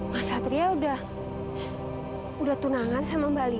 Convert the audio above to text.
mas satria udah udah tunangan sama mbak lila